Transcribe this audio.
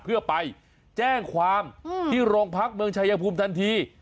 เพื่อไปแจ้งความที่โรงพักเมืองชายภูมิทันที